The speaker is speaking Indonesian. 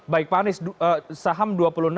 baik pak anies saham dua puluh enam dua puluh lima